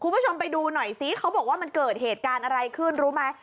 คุณผู้ชมไปดูหน่อยซิเขาบอกว่ามันเกิดเหตุการณ์อะไรขึ้นรู้ไหม